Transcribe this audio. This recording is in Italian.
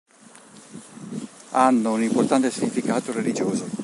Hanno un importante significato religioso.